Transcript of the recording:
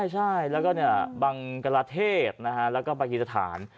ใช่แล้วก็บางกรเทศแล้วก็บางกิจฐาน